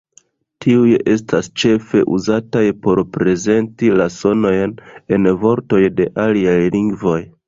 Tiuj estas ĉefe uzataj por prezenti la sonojn en vortoj de aliaj lingvoj.